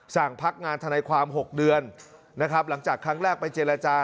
พักงานทนายความ๖เดือนนะครับหลังจากครั้งแรกไปเจรจา